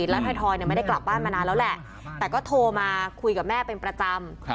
แล้วถอยไม่ได้กลับบ้านมานานแล้วแหละแต่ก็โทรมาคุยกับแม่เป็นประจำ